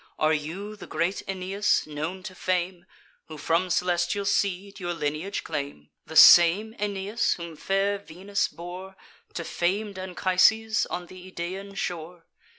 Are you the great Aeneas, known to fame, Who from celestial seed your lineage claim? The same Aeneas whom fair Venus bore To fam'd Anchises on th' Idaean shore?